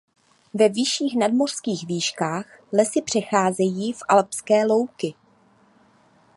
Ve vyšších nadmořských výškách lesy přecházejí v alpské louky.